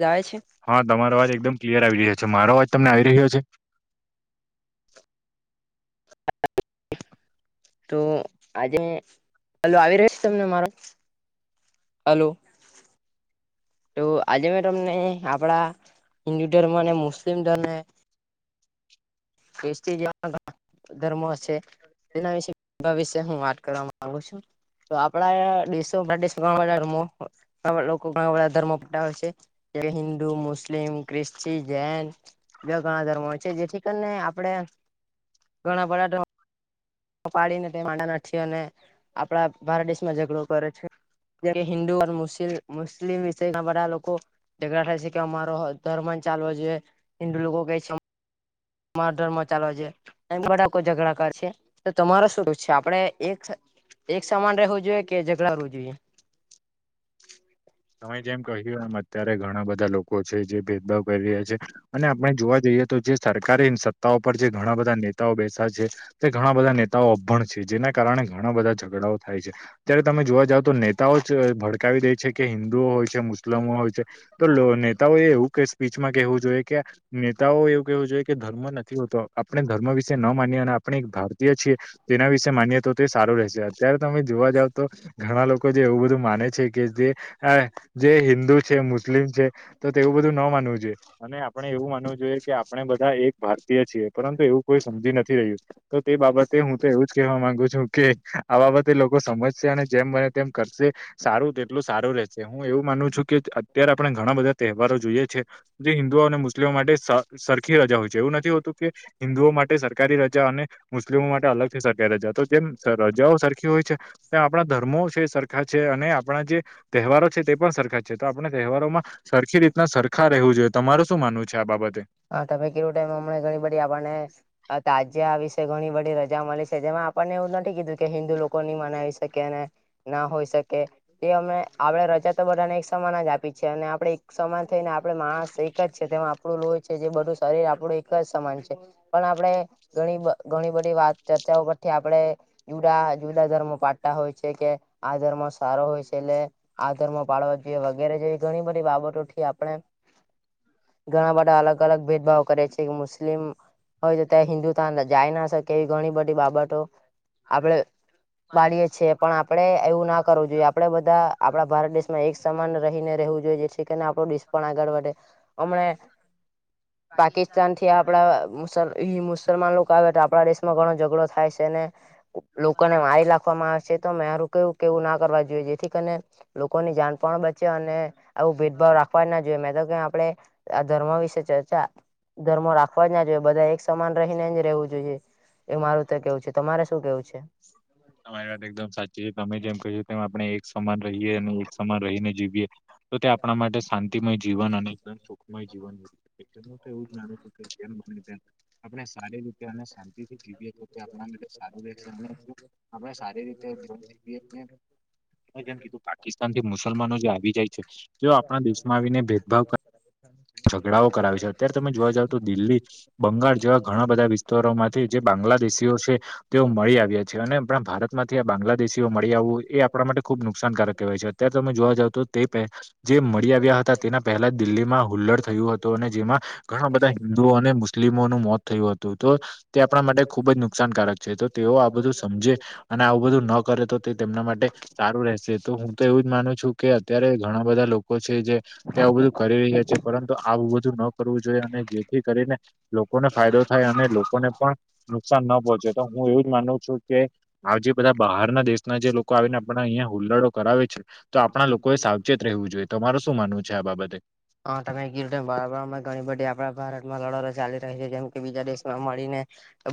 જાય છે. હા તમારો અવાજ એકદમ ક્લિયર આવી રહ્યો છે, મારો અવાજ તમને આવી રહ્યો છે? તો આજે ચાલ આવી રહ્યો છે તમને મારો હલો તો આજે મે તમને આપડા હિન્દુ ધર્મ અને મુસ્લિમ ધર્મ ખ્રિસ્તી જેવા ધર્મ છે. તેના વિશે હું વાત કરવા માગુ છું તો આપણા દેશો મા ઘણા બધા લોકો ઘણા બધા ધર્મો પાડે છે. હિન્દુ, મુસ્લિમ, ખ્રિશ્ચિ, જૈન ઘણા ધર્મો છે જેથી કરીને આ પડે ઘણા બળા ધ પાડીને તે [inaudible] અને આપડા ભારત દેશ માં ઝઘડો કરે છે. જે હિન્દુ મુસીલ મુસ્લિમ વિશે બધા લોકો થાય છે કે અમારો ધર્મ ચાલવો જોઈએ હિન્દુ લોકો કે છે મારો ધર્મ ચાલવો જોઇએ એમ બધા કોઈ ઝઘડાકાર છે તો તમારો શું છે આપડે એક એક સમાન રહેવું જોઈએ કે ઝઘડા કરવું જોઈએ? તમે જેમ કહ્યું એમ અત્યારે ઘણા બધા લોકો છે જે ભેદભાવ કરી રહ્યા છે અને આપણે જોવા જઈએ તો જે સરકારે સત્તાઓ પર જે ઘણા બધા નેતાઓ બેસ્યા છે તે ઘણા બધા નેતાઓ અભણ છે જેના કારણે ઘણા બધા ઝઘડાઓ થાય છે અત્યારે તમે જોવા જાવ તો નેતાઓ જ ભડકાવી દે છે કે હિન્દુઓ હોય છે મુસ્લિમો હોય છે તો નેતાઓ એ એવું કાઇ સ્પીચમાં કેહેવું જોઈએ કે નેતાઓ એવું કેવું જોઈએ કે ધર્મ નથી હોતો આપણે ધર્મ વિશે ન માનીએ અને આપણે એક ભા રતીય છીએ તેના વિશે માન્યીતો તે સારો રહેશે અત્યારે તમે તો ઘણા લોકો જે એવું બધું માને છે કે જે હ જે હિન્દુ છે મુસ્લિમ છે તો તેવું બધું ન માનવું જોઈએ અને આ પણે એવું માનવું જોઈએ કે આપણે બધા એક ભારતીય છીએ પરંતુ એવું કોઈ સમજી નથી રહ્યું તો તે બાબતે હું તો એવું જ કહેવા માંગુ છું કે આ બાબતે લો કો સમજશે અને જેમ બને તેમ કરશે સારું તેટલું સારું રહેશે હું એવું માનું છું કે અત્યારે આપણે ઘણા બધા તહેવારો જોઈએ છે જે હિન્દુઓ અને મુસ્લિમો માટે સ સરખી રજા હોય છે એવું નથી હોતું કે હિન્દુઓ માટે સરકારી રજા અને મુસ્લિમો માટે અલગથી સરકારી રજા તો જે રજાઓ સર ખી હોય છે તો આપણા ધર્મો છે સરખા છે અને આપણા જે તહેવારો છે તે પણ સરખા છે તો આપણે તહેવારોમાં સરખી રીતના સરખા રહેવું જોઈએ તમારું શું માનવું છે આ બાબતે? હા તમે કેવું ટેમ હમણાં ઘણી બધી આપણને તાજીયા આ વિશે ઘણી બધી રજા મળી છે જેમાં આપણને એવું નથી કીધું કે હિન્દુ લો કોની મનાવી શકે અને ના હોઈ સકે તે અમને આપડે રજા તો બધાને એક સમાન જ આપી છે અને આપડે એક સમાન થઈને આપડે માણસ એક જ છે તેમાં આપણું લોય છે જે બધું શરીર આપણું એક જ સમાન છે. પણ આપણેે ઘણી ઘણી બધી વાત ચર્ચાઓ પરથી આપડે ઉરાન જુુદા ધર્મો પાડતા હોય છે કે આ ધર્મો સારો હોય છે એટલે આ ધર્મ પાળવા જોઈએ વગેરે જેવી ઘણી બધી બાબતોથી આપણે [inaudible] ઘણા બધા અલગ અલગ ભેદભાવ કરે છે કે મુસ્લિમ હોય તો ત્યાં હિન્દુ તયા જાય ના શકે એવી ઘણી બધી બાબતો આપડે બાળીએે છીએ પણ આપડે એવું ના કરવું જોઈએ આપડે બધા આપણા ભારત દેશમાં એક સમાન રહીને રહેવું જોઈએ આપણો દેશ પણ આગળ વધે અમણે [unintelligible] પાકિસ્તાન થી આપડા મુસલ મુસલમાન લોકો આવે તો આપણા દેશનો ઘણો ઝઘડો થાય છે ને લોકોને મારીલા ખવામાં આવે છે તો મારુ કેવું એવું ના કરવા જોઈએ જેથી કરીને લોકોની જાન પણ બચે અને આવું ભેદભાવ રાખવા ના જોઈએ મેં તો કે આપડે આ ધર્મ વિશે ચર્ચા ધર્મો રાખવા જ ના જોઈએ બધા એક સમાન રહીને જ રહેવું જોઈએ. એ મારું તો કેવું છે તમારે શું કેવું છે. તમારી વાત એકદમ સાચી છે તમે જેમ કહ્યું તેમ આપણે એક સમાન રહીએ અને એક સમાન રહીને જીવીએ તો તે આપણા માટે શાંતિમય જીવન અને એકદમ ચો મય જીવાનું એટલે હુ તો એવું માનું છુ કે [unintelligible] આપણે સારી રીતે અને શાંતિ થી જીવીએ તો તે આપણા માટે સારું રેય છે. અને જે આપણે સારી રીતે જીવન જીવિયે છીએ. તમે જેમ કીધું પાકિસ્તાન થી મુસલમાનો જે આવી જાય છે તેઓ આપણા દેશમાં આવીને ભેદભાવ ઝઘડાઓ કરાવે છે અત્યારે તમે જોવા જાવ તો દિલ્હી બંગાળ જેવા ઘણા બધા વિસ્તારોમાંથી જે બાંગ્લાદેશીઓ છે તેઓ મળી આવ્યા છે અને આપણા ભારત માંથી આ બાંગ્લાદેશીઓ મળી આવવું એ આપણા માટે ખુબ નુકસાનકારક કહેવાય છે. અત્યારે તમે જોવા જાવ તો તે પે જે મળી આવ્યા હતા તેના પહેલા જ દિલ્હીમાં હુલ્લડ થયું હતું અને જેમાં ઘણા બધા હિન્દુઓ અને મુસ્લિમોનું મોત થયું હતું તો તે આપણા માટે ખુબ જ નુકસાનકારક છે તો તેઓ આ બધું સમજે અને આવું બધું ન કરે તો તે તેમના માટે સારું રહેશે તો હું તો એવુંજ માનું છું કે અત્યારે ઘણા બધા લોકો છે જે તે આવુ બધું કરી રહ્યા છે પરંતુ આવું બધું ન કરવું જોઈએ અને જેથી કરીને લોકોને ફાયદો થાય અને લોકોને પણ નુકસાન ન પોહચે તો હું એવું જ માનું છું કે આ જે બધા બહારના દેશના જે લોકો આવીને આપણે અહીંયા હુલ્લડો કરાવે છે તો આપણા લોકોએ સાવચેત રહેવું જોઈએ. તમારે શું માનવું છે આ બાબતે. હા તમે કીધુંતેમ બરાબર હમણા ઘણી બધી આપડા ભારતમાં લડતો ચાલી રહી છે જેમ કે બીજા દેશમાં મળીને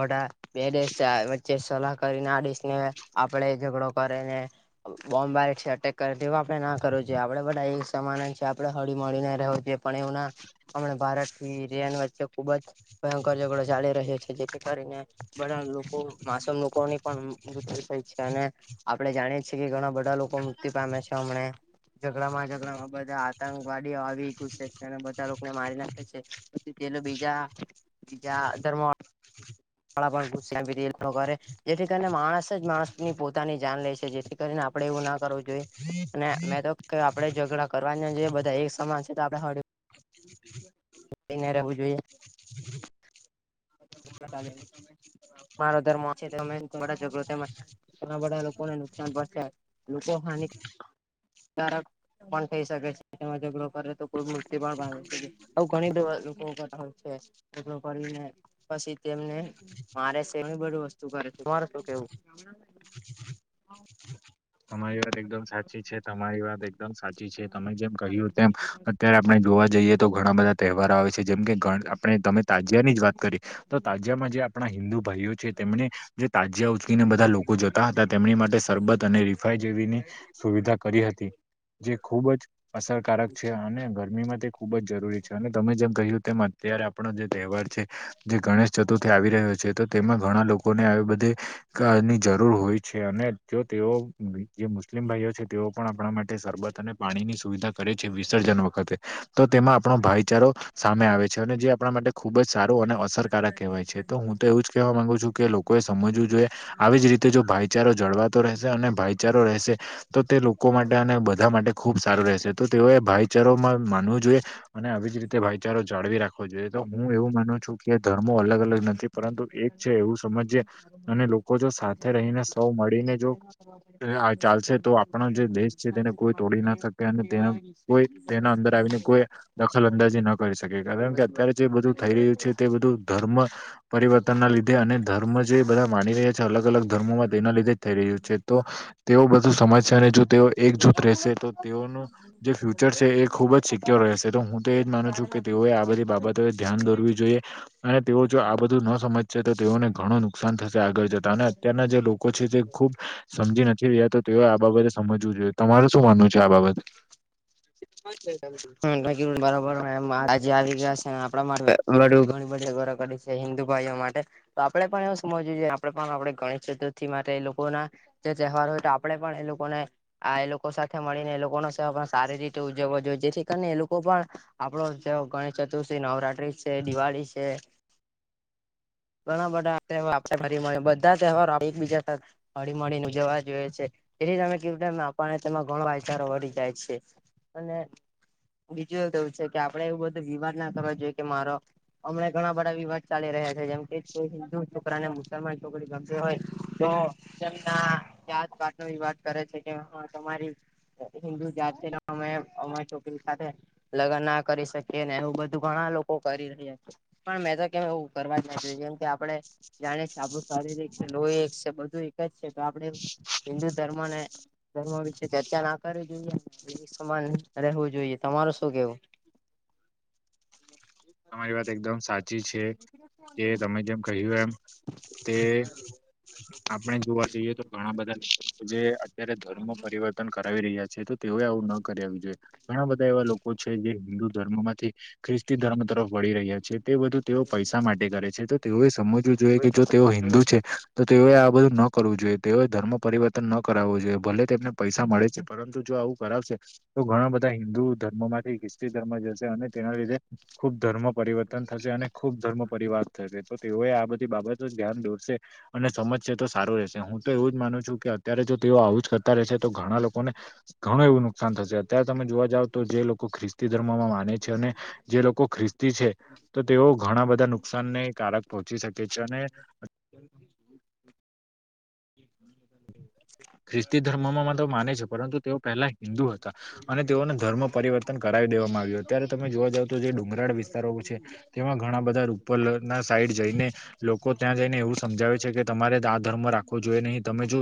બધા બે દેશ આ વચ્ચે સલાહ કરીને આ દેશ ને આપડે ઝઘડો કરે ને બોમ્બ બારે છે અટેક કરે તેવું આપડે ના કરવુ જોઈએ આપડે બધા એક સમાન જ છે આપડે હળી મળી ને રહેવુ જોએ પણ એવું ના હમણા ભારતથી રેન વચ સે ખુબ જ ભયંકર ઝઘડો ચાલી રહ્યો છે જેથી કરીને બધા લોકો માસુમ લોકોની પણ મૃત્યુ થઈ છે અને આપડે જાણીએ છીએ કે ઘણા બધા લોકો મૃત્યુ પામે છે અમણે. ઝઘડા માં ઝઘડામાં બધા આતંકવાદીઓ આવી ઘુસે છે અને બધા લોકોને મારી નાખે છે. તોતે તેન બીજા બીજા ધર્મ પણા પણ [unintelligible] જે રીતનો કરે જેથી કરીને માણસ જ માણસ ની પોતાની જાન લે છે જેથી કરીને આપડે એવું ના કરવું જોઈએ અને મેં તો કે આપડે ઝઘડા કરવા ન જોયે બધા એક સમાન છે તો આપડે હળ મળીને રેહવુ જોયે. ચાલે મારો ધર્મ છે તે મે બધા ઝગડો [unintelligible] ઘણા બધા લોકો ને નુકસાન પોહચે લોકો હાની કારક પણ થઈ શકે છે તે માં ઝગડો કરેતો કોઈ મુત્યુ પણ પામે છે. આવુ ઘણી [unintelligible] લોકો કરતા હોય છે એટલું કરીને પછી તેમને મારે છેે એબધું વસ્તુ કરે છે તમારે શું કેવું? તમારી વાત એકદમ સાચી છે તમારી વાત એકદમ સાચી છે. તમે જેમ કહ્યું તેમ અત્યારે આપણે જોવા જઈએ તો ઘણા બધા તહેવારો આવે છે જેમ કે ગણ આપણે તમે તાજિયા ની જ વાત કરી તો તાજિયામાં જે આપણા હિન્દુ ભાઈઓ છે તેમણે જે તાજયા ઉચકીને બધા લોકો જતા હતા તેમની માટે સરબત અને ફાઈ જેવીની સુવિધા કરી હતી જે ખૂબ જ અસરકારક છે અને ગરમીમાં તે ખૂબ જ જરૂરી છે અને તમે જેમ કહ્યું તેમ અત્યારે આપણો જે તહેવાર છે જે ગણેશ ચતુર્થી આવી રહ્યો છે તો તેમાં ઘણા લોકોને આવી બધી. કારની જરૂર હોય છે અને તે તેઓ જે મુસ્લિમ ભાઈઓ છે તેઓ પણ આપણા માટે સરરબત અને પાણીની સુવિધા કરે છે વિસર્જન વખતે તો તેમાં આપણો ભાઈચારો સામે આવે છે અને જે આપણા માટે ખૂબ જ સારૂ અને અસરકારક કહેવાય છે તો હું તો એવું જ કહેવા માગુ છું કે લોકોએ સમજવું જોઈએ. આવી જ રીતે જો ભાઈચારો જળવાતો રહેશે અને ભાઈચારો રહેશે તો તે લોકો માટે અને બધા માટે ખુબ સારૂ રહેશે તો તેઓએ ભાઈચારોમાં માનવું જોઈએ. અને આવી જ રીતે ભાઈચારો જાળવી રાખવો જોઈએ તો હું એવું માનું છું. કે ધર્મો અલગ અલગ નથી પરંતુ એક છે એવું સમજીએ અને લોકો જો સાથે રહીને સૌ મળીને જો [unintelligible] કોઈ તેના અંદર આવીને કોઈ દખલ અંદાજી ન કરી શકે કારણ કે અત્યારે જે બધું થઈ રહ્યું છે. તે બધું ધર્મ પરિવર્તનના લીધે અને ધર્મ જે બધા માની રહ્યા છે અલગ અલગ ધર્મોમાં તેના લીધે જ થઈ રહ્યું છે. તો તેઓ બધું સમાજતા રહે અને જો તેઓ એક જુથ રહેશે તો તેઓનું જે ફ્યુચર છે એ ખુબ જ સિક્યોર રહેશે તો હું તો એજ માનું છું. કે તેઓએ આ બધી બાબતોએ ધ્યાન દોરવી જોઈએ. અને તેઓ જો આ બધું ન સમજશે તો તેઓને ઘણું નુકસાન થશે આગળ જતા અને અત્યારના જે લોકો છે તે ખુબ સમજી નથી રહ્યા તો તેઓ આ બાબતે સમજવું જોઈએ તમારે શું માનવું છે આ બાબતે બરોબર આજે આવી ગયા છેને આપડા માટે વડું ઘણી બધી ઘર પડી છે હિન્દુ ભાઈઓ માટે તો આપડે પણ એવું સમજવું જોએ આપણે પણ આપણે ગણેશ ચતુર્થી માટે એ લોકો ના જે તહેવાર હોય તો આપડે પણ એ લોકોને એ લોકો સાથે મળીને એ લોકોનો સેવા સારી રીતે ઉજવવા જોઈએ જેથી કરીને એ લોકો પણ આપડો જે ગણેશ ચતુર્થી નવરાત્રી છે દિવાળી છે ઘણા બધા તહેવાર આપણે ફરી મળે બધા તહેવારો એકબીજા સાથે હળી મળી ને ઉજવવા જોઈએ છે એ જ અમે કીધું આપણને તેમાં ઘણા આચાર વિચારો વળી જાય છે. અને બીજું એક એવું છે કે આપડે એવું બધો વિવાદ ના કરવા જોઈએ કે મારો હમણા ઘણા બધા વિવાદ ચાલી રહ્યા છે જેમ કે કોઈ હિન્દુ છોકરાને મુસલમાન છોકરી ગમતી હોય તો સ ના યાદ કરે એવી વાત કરે છે કે હા તમારી હિન્દુ જાતે અમે અમારી છોકરી સાથે લગ્ન ના કરી શકીએ ને એવું બધું ઘણા લોકો કરી રહ્યા છે. પણ મેં તો કેમ એવું કરવા જ ના્દિધુ જ કે આપડે જાણે છે આપણું શારિરીક છે લોહી એક છે બધું એક જ છે તો આપણે હિન્દુ ધર્મને ધર્મ વિશે ચર્ચા ના કરવી જોઈએ. અમારે તો રહેવું જોઈએ તમારે શું કહેવું છે. તમારી વાત એકદમ સાચી છે કે તમે જેમ કહ્યું એમ તે હાલો. આપણે જોવા જઈએ તો ઘણા બધા જે અત્યારે ધર્મ પરિવર્તન કરાવી રહ્યા છે તો તેઓ આવું ન કરવી જોઈએ ઘણા બધા એવા લોકો છે જે હિન્દુ ધર્મ માંથી ખ્રિસ્તી ધર્મ તરફ વળી રહ્યા છે તે બધું તેઓ પૈસા માટે કરે છે તો તેઓએ સમજવું જોઈએ કે જો તેઓ હિન્દુ છે. તો તેઓએ આ બધું ન કરવું જોઈએ તેઓએ ધર્મ પરિવર્તન ન કરાવવુ જોઈએ ભલે તેમને પૈસા મળે છે પરંતુ જો આવું કરાવશે તો ઘણા બધા બધા હિન્દુ ધર્મ માંથી ખ્રિસ્તી ધર્મમા જશે અને તેના લીધે ખુબ ધર્મ પરિવર્તન થશે અને ખુબ ધર્મ પરિવર્તન તો તેઓએ આ બધી બાબતો ધ્યાન દોરશે અને સમજ છે તો સારું રહેશે હું તો એવું જ માનું છું કે અત્યારે જો તેઓ આવું જ કરતા રહેશે તો ઘણા લોકોને ઘણું એવું નુકસાન થશે અત્યારે તમે જોવા જાવ તો જે લોકો ખ્રિસ્તી ધર્મમાં માને છે અને જે લોકો ખ્રિસ્તી છે તો તેઓ ઘણા બધા નુકસાનને કારક પહોંચી શકે છે અને [inaudible] ખ્રિસ્તી ધર્મમાં મા તો માને છે પરંતુ તેઓ પહેલા હિન્દુ હતા. અને તેઓને ધર્મ પરિવર્તન કરાવી દેવામાં આવ્યું. ત્યારે તમે જોવા જાવ તો, જે ડુંગરાળ વિસ્તારો છે. તેમાં ઘણા બધા રૂપલ ના સાઈડ જઈને. લોકો ત્યાં જઈને એવું સમજાવે છે, કે તમારે દાઆ ધર્મ રાખવો જોઈએ નહી. તમે જો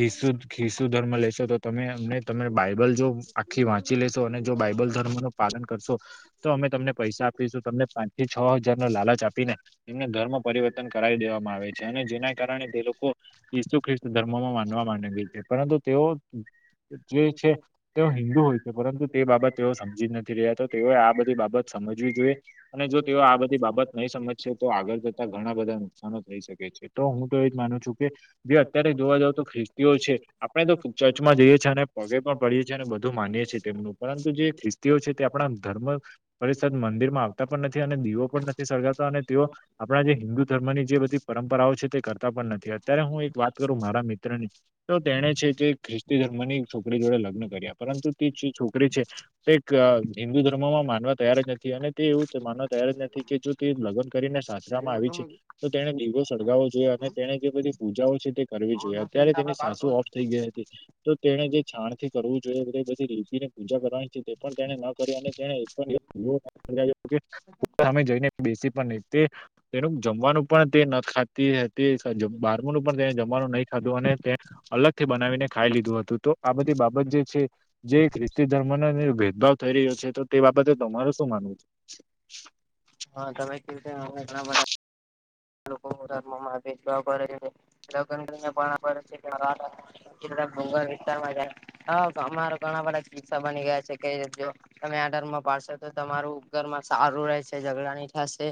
ખિસુ ખિસ્સુ ધર્મ લેશો, તો તમે અમને તમે બાઈબલ જો આખી વાંચી લેશો અને જો બાઇબલ ધર્મનો પાલન કરશું, તો અમે તમને પૈસા આપીશું તમને પાંચ થી છ હજાર નો લાલચ આપીને. એમને ધર્મ પરિવર્તન કરાવી દેવામાં આવે છે અને જેના કારણે તે લોકો ઈસુ ખ્રિસ્ત ધર્મમાં માનવા માડે, પરંતુ તેઓ જે છે તેઓ હિન્દુ હોય તો, પરંતુ તે બાબત તેઓ સમજી નથી રહ્યા, તો તેઓ આ બધી બાબત સમજવી જોઈએ અને જો તેઓ આ બધી બાબત નઈ સમજશે, તો આગળ જતા ઘણા બધા નુકસાનો થઈ શકે છે. તો હું તો એજ માનું છું, કે ભઇ અત્યારે જોવા જઉં તો ખ્રિસ્ તિઓ છે. આપણે તો ચર્ચમાં જઈએ છીએ અને પગે પણ પડીએ છીએ અને બધું માનીએ છીએ તેમનું, પરંતુ જે ખિ તિઓ છે, તે આપણા ધર્મ પરિષદ મંદિર માં આવતા પણ નથી અને દીવો પણ નથી સળગાવતા અને તેઓ આપણા જે હિન્દુ ધર્મની જે બધી પરંપરાઓ છે, તે કરતા પણ નથી. અત્યારે હું એક વાત કરું મારા મિત્રની તો તેણે છે તે ખ્રિસ્તી ધર્મની છોકરી જોડે લગ્ન કર્યા, પરંતુ તે જે છોકરી છે. તે ક હિન્દુ ધર્મમાં માનવા તૈયાર જ નથી અને તે એવું જ માનવા તૈયાર જ નથી, કે જો તે લગ્ન કરીને સાસ રામા આવી છે, તો તેણે દીવો સળગાવવો જોઈએ અને તેને જે બધી પૂજાઓ છે તે કરવી જોઈએ. અત્યારે સાસુ ઓફ થઈ ગયા. એતી. તો તેને જે છાણ થી કરવું જોઈએ તે બધી લીપીને પૂજા કરવાની છે, તે પણ તેને ન કરી અને તેણે એકસો [inaudible] સામે જઈને બેસી પણ નઈ. તે તેનું જમવાનું પણ તે ન ખા તે તે સજ બારમુંનું પણ તે જમવાનું નહી ખાધું અને અલગથી બનાવીને ખાઈ લીધું હતું, તો આ બધી બાબત જે છે. જે ખ્રિસ્તી ધર્મ નન નો ભેદભાવ થઈ રહ્યો છે, તો તે બાબતે તમારે શું માનવું છે? હા તમે કિધુ તેમ અવે ઘણા બધા લોકો [inaudible] કીટળા ભંગળ વિસ્તારમાં જાય. હ અમા ઘણા બધા કીસ્સા બની ગયા છે, કે જો તમે આ ડર માં પાડશો, તો તમારું ઘરમાં સારું રહેશે ઝઘડાની થાશે.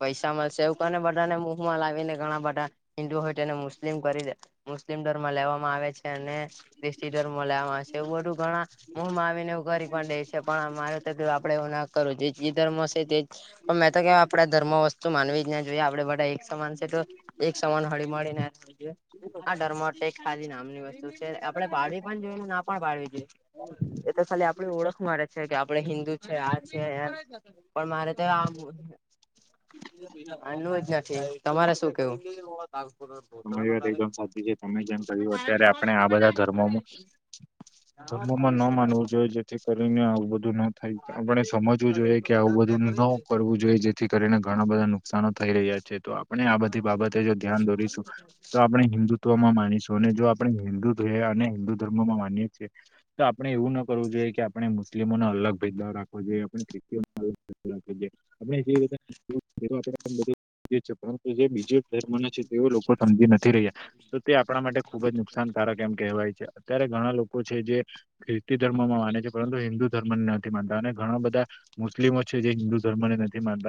પૈસા મલશે એવું કોને બના ને મુહમાં લાવીને, ઘણા બધા હિન્દુ હોય તેને મુસ્લિમ કરી દે. મુસ્લિમ ર્ધમ લેવામાં આવે છે. ને ખ્રિસ્તી ધર્મ લેવામાં આવે સે, એવુ બધુ ઘણા મુંહમા આવીને એવું કરી પણ દે છે, પણ અમારે ત આપડે એવું ના કરવુ જોઈએ. જી ર્ધમ સે તે જ પણ મેં તો કેવ, આપણે ધર્મ વસ્તુ માનવી જ ન જોયે. પડે એક સમાન સે, તો એક સમાન હળી મળીને રીએ. આ ડર્મ ટ ખાલી નામની વ આપડે પાડવી પણ જોયએ, ને ના પણ પાાડવી જોઈએ. એ તો ખાલી આપડી ઓળખ મળે છે, કે આપડે હિન્દુ છે, આ છે એ પણ મારે ત આમ, આનું જ તમારે સું કેવુ? અત્યારે આપણે આ બધા ધર્મોમાં ધર્મમાં ન માનવું જોઈએ, જેથી કરીને આવું બધું ન થય. આપણે સમજવું જોઈએ. કે આવું બધું નો કરવું જોઈએ, જેથી કરીને ઘણા બધા ન કસાનો થઈ રહ્યા છે. તો આપણે આ બધી બાબતે જો ધ્યાન દોરીશું, તો આપણે હિન્દુ ઓમાં માનીશું અને જો આપણે હિન્દુ ધોયા અને હિન્દુ ધર્મમાં માનીએ છીએ. તો આપણે એવું ન કરવું જોઈએ, કે આપણે મુસ્લિમોનો અલગ ભેદભાવ રાખવો જોઈએ. આપણે ખ્રિસ્ [inaudible] આપડણે જે [inaudible] છે પરંતુ જે બીજે ધર્મના છે, તેઓ લોકો સમજી નથી રહ્યા. તો તે આપણા માટે ખુબ જ નુકસાન કારક એમ કહેવાય છે. અત્યારે ઘણા લોકો છે જે ખ્રિસ્તી ધર્મમાં માને છે, પરંતુ હિન્દુ ધર્મને નથી માનતા અને ઘણા બધા મુસ્લિમો છે, જે હિન્દુ ધર્મને નથી માનતા.